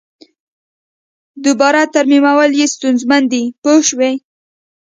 دوباره ترمیمول یې ستونزمن دي پوه شوې!.